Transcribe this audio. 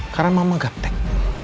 karena mama gateng